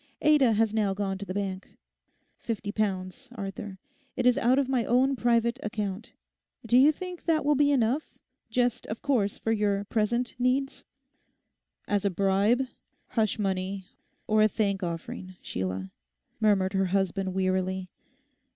Ada has now gone to the Bank. Fifty pounds, Arthur; it is out of my own private account—do you think that will be enough, just, of course, for your present needs?' 'As a bribe, hush money, or a thank offering, Sheila?' murmured her husband wearily.